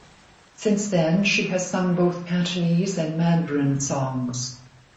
Since then, she has sung both Cantonese and Mandarin songs.